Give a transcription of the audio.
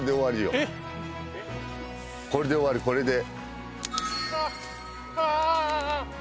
これで終わり、これで。